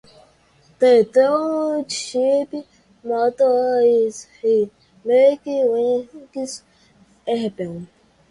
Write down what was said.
The township's motto is We make things happen.